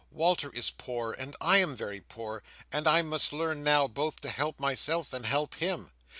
Walter is poor, and I am very poor, and I must learn, now, both to help myself, and help him."